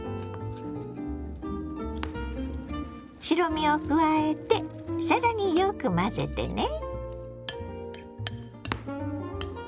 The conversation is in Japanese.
白身を加えて更によく混ぜてね。